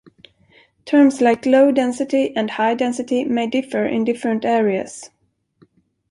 Terms like low density and high density may differ in different areas.